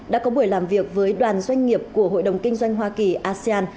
đã có buổi làm việc với đoàn doanh nghiệp của hội đồng kinh doanh hoa kỳ asean